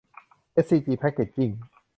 เอสซีจี แพคเกจจิ้ง